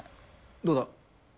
どうだ。